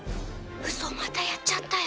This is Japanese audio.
ウソまたやっちゃったよ。